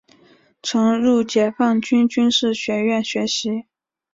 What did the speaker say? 曾入解放军军事学院学习。